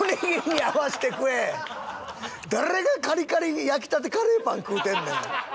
誰がカリカリに焼きたてカレーパン食うてんねん！